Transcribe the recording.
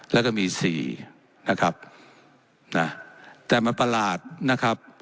แล้วก็มีสี่นะครับนะแต่มันประหลาดนะครับ